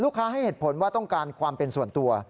ให้เหตุผลว่าต้องการความเป็นส่วนตัว